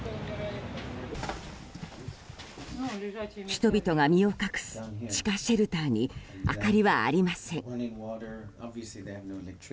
人々が身を隠す地下シェルターに明かりはありません。